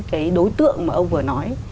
cái đối tượng mà ông vừa nói